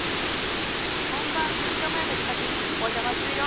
本番２日前の自宅にお邪魔するよ。